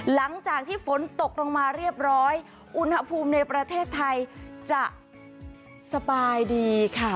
หลังจากที่ฝนตกลงมาเรียบร้อยอุณหภูมิในประเทศไทยจะสบายดีค่ะ